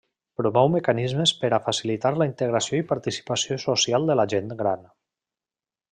Promou mecanismes per a facilitar la integració i participació social de la gent gran.